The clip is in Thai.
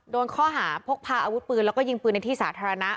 โดนข้อหาพกพาอาวุธปืนแล้วก็ยิงปืนในที่สาธารณะ